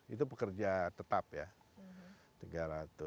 itu pekerja tetap ya